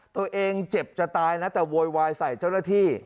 ตัวเองเจ็บจะตายนะแต่โวยวายใส่เจ้าหน้าที่